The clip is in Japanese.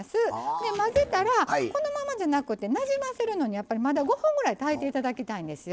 で混ぜたらこのままじゃなくてなじませるのにまだ５分ぐらい炊いていただきたいんですよ。